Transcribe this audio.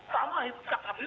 sama kak kapil itu seperti itu